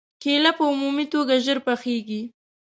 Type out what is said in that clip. کېله په عمومي توګه ژر پخېږي.